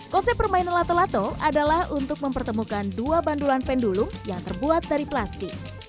konsep permainan lato lato adalah untuk mempertemukan dua bandulan pendulung yang terbuat dari plastik